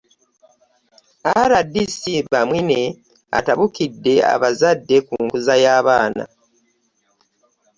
RDC Bamwine atabukidde abazadde ku nkuza y'abaana